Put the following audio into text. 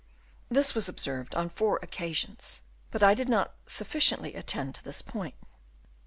This was observed on four occasions, but I did not sufficiently attend to this point.